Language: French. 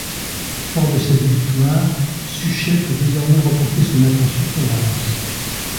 Fort de cette victoire, Suchet peut désormais reporter son attention sur Valence.